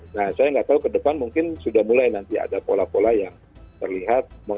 nah saya nggak tahu ke depan mungkin sudah mulai nanti ada pola pola yang terlihat